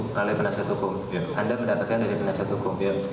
melalui penasihat hukum anda mendapatkan dari penasihat hukum